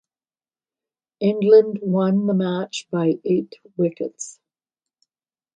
England won the match by eight wickets.